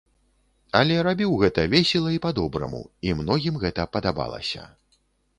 Але рабіў гэта весела і па-добраму, і многім гэта падабалася.